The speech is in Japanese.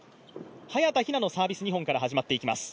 早田ひなのサービス２本から始まっていきます。